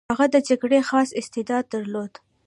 هغه د جګړې خاص استعداد درلود.